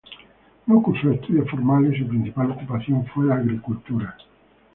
No cursó estudios formales y su principal ocupación fue la agricultura.